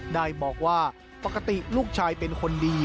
ได้บอกว่าปกติลูกชายเป็นคนดี